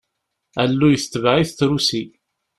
Alluy tetbeɛ-it trusi.